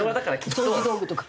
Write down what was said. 掃除道具とか。